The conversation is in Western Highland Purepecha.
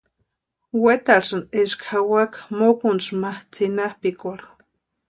Wetarhesínti eska jawaka mokuntsi ma tsʼinapʼikwarhu.